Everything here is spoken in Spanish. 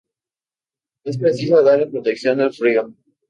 Es preciso darle protección del frío.